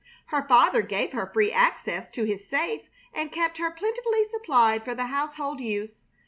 Her father gave her free access to his safe, and kept her plentifully supplied for the household use.